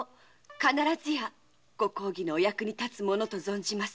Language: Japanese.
必ずやご公儀のお役に立つものと存じます。